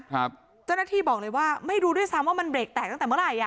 เจ้าหน้าที่บอกเลยว่าไม่รู้ด้วยซ้ำว่ามันเรกแตกตั้งแต่เมื่อไหร่อ่ะ